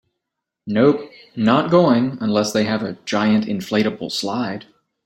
Nope, not going unless they have a giant inflatable slide.